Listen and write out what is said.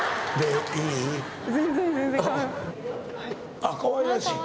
あっかわいらしい。